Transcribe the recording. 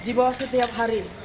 di bawah setiap hari